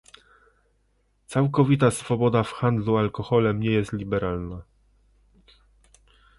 Całkowita swoboda w handlu alkoholem nie jest liberalna